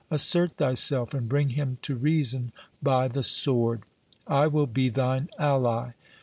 Assert thyself and bring him to reason by the sword. I will be thine ally.